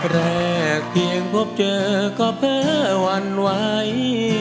แรกเพียงพบเจอก็แพ้หวั่นไหว